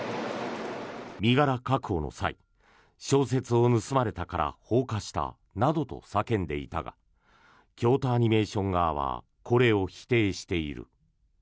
身柄確保の際小説を盗まれたから放火したなどと叫んでいたが京都アニメーション側はこれを否定している。